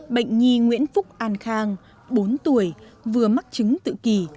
bệnh nhi nguyễn phúc an khang bốn tuổi vừa mắc chứng tự kỳ